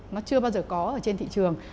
nó chưa bao giờ có ở trên thị trường